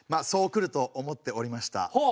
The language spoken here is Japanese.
そうくると思っておりました。